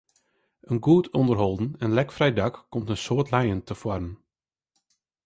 In goed ûnderholden en lekfrij dak komt in soad lijen tefoaren.